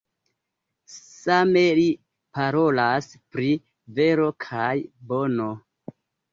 Same li parolas pri vero kaj bono.